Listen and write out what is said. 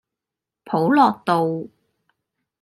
普樂道